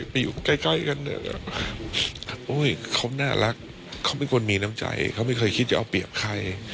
อยู่ใกล้กันโอ้ยเขาน่ารักเขาเป็นคนมีน้ำใจเขาไม่เคยคิดจะเอาเปรียบใคร